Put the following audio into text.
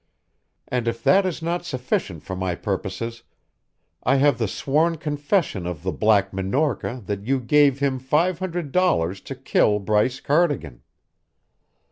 And if that is not sufficient for my purposes, I have the sworn confession of the Black Minorca that you gave him five hundred dollars to kill Bryce Cardigan.